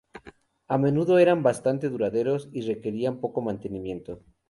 A menudo eran bastante duraderos y requerían poco mantenimiento.